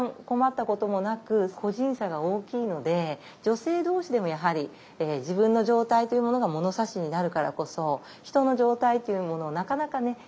困ったこともなく個人差が大きいので女性どうしでもやはり自分の状態というものが物差しになるからこそひとの状態というものをなかなかね